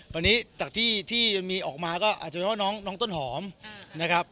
ตอนนี้จากที่มีออกมาก็อาจจะเป็นว่าน้องต้นหอมนะครับ